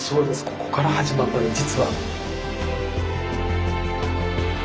ここから始まったんです実は。